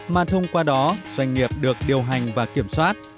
mà thông qua đó doanh nghiệp được điều hành và kiểm soát